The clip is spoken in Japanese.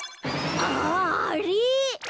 あっあれ！